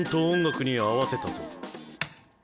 音楽に合わせたぞ。